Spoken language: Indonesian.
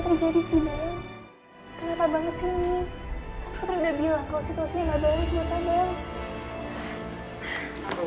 kalau situasinya gak baik kenapa bel